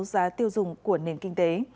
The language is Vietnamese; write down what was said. giá tiêu dùng của nền kinh tế